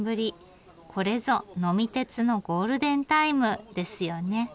これぞ呑み鉄のゴールデンタイムですよね。